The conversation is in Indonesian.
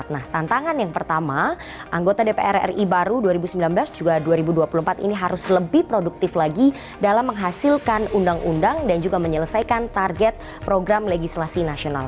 nah tantangan yang pertama anggota dpr ri baru dua ribu sembilan belas juga dua ribu dua puluh empat ini harus lebih produktif lagi dalam menghasilkan undang undang dan juga menyelesaikan target program legislasi nasional